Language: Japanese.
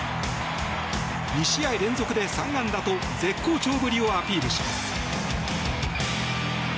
２試合連続で３安打と絶好調ぶりをアピールします。